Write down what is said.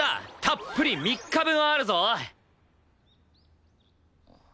たっぷり３日分はあるぞ。